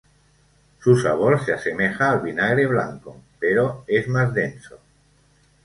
Su sabor se asemeja al vinagre blanco, pero es más denso.